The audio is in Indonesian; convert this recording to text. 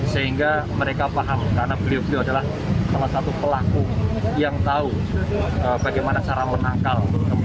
sehingga mereka paham karena beliau beliau adalah salah satu pelaku yang tahu bagaimana cara menangkal